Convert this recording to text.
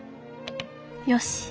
よし！